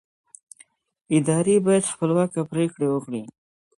ادارې باید خپلواکه پرېکړې وکړي